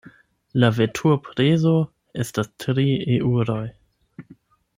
La veturprezo estas tri eŭroj.